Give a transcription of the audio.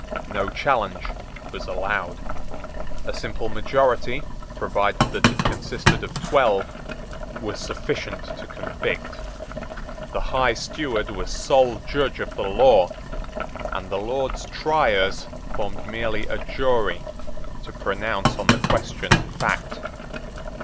No challenge was allowed. A simple majority, provided that it consisted of twelve, was sufficient to convict. The High Steward was sole judge of the law; and the Lords Triers formed merely a jury to pronounce on the question of fact.